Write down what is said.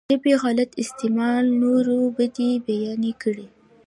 د ژبې غلط استعمال نورو بدۍ بيانې کړي.